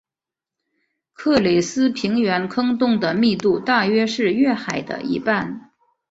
克里斯平原坑洞的密度大约是月海的一半。